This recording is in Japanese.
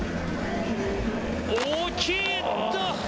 大きい。